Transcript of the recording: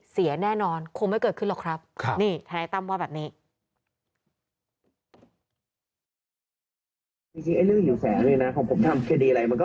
เสียแน่นอนคงไม่เกิดขึ้นหรอกครับ